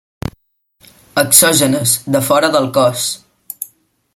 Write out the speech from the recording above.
Exògenes: de fora del cos.